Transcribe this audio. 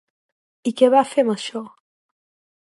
I què va fer amb això?